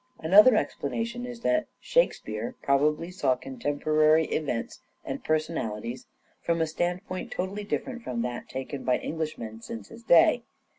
Another explanation is that " Shakespeare " probably saw contemporary events and personalities from a standpoint totally different from that taken by Englishmen since his day.